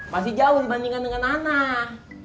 masih jauh dibandingkan dengan anak